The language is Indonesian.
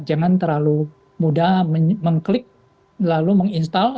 jangan terlalu mudah mengklik lalu menginstal